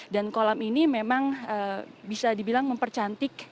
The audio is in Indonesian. dan kolam ini memang bisa dibilang mempercantik